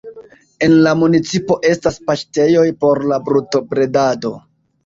En la municipo estas paŝtejoj por la brutobredado.